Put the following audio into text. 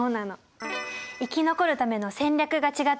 生き残るための戦略が違っていたんだよね。